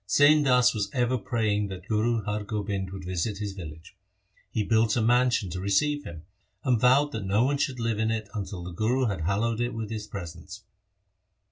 Sain Das was ever praying that Guru Har Gobind would visit his village. He built a man sion to receive him, and vowed that no one should live in it until the Guru had hallowed it by his presence.